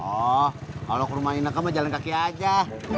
oh kalau ke rumah ineke mah jalan kaki aja